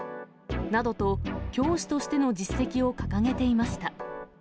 などと、教師としての実績を掲げていました。